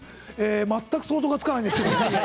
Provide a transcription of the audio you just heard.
全く想像がつかないんですけど。